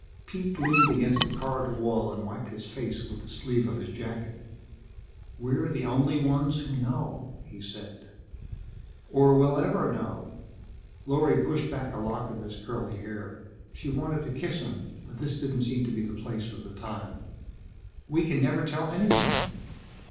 Pete leaned against the corridor wall and wiped his face with the sleeve of his jacket. "We're the only ones who know," he said. "Or ever will know." Lorry pushed back a lock of his curly hair. She wanted to kiss him, but this didn't seem to be the place or the time. "We can never tell anyone."